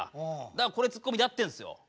だからこれツッコミでやってんですよ。